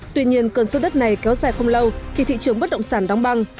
tuy nhiên cơn sốt đất này kéo dài không lâu khi thị trường bất động sản đóng băng